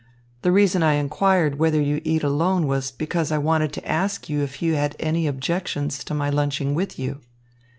The reason I inquired whether you eat alone was because I wanted to ask you if you had any objections to my lunching with you."